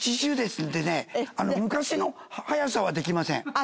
８０ですんでね昔の速さはできません。